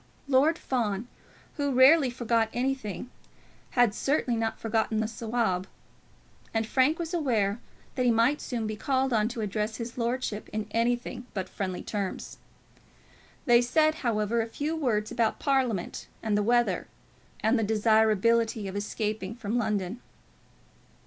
Lord Fawn, who rarely forgot anything, had certainly not forgotten the Sawab; and Frank was aware that he might soon be called on to address his lordship in anything but friendly terms. They said, however, a few words about Parliament and the weather, and the desirability of escaping from London.